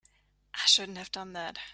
I shouldn't have done that.